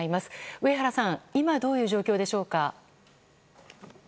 上原さん、今どういう状況でしょうか。